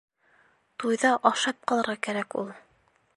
Туйҙа ашап ҡалырға кәрәк ул.